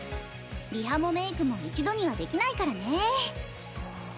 リハもメイクも一度にはできないからね。